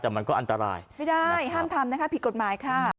แต่มันก็อันตรายไม่ได้ห้ามทำนะคะผิดกฎหมายค่ะ